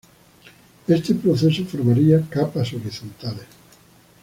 Este proceso formaría capas horizontales.